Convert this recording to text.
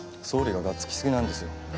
総理ががっつきすぎなんですよ。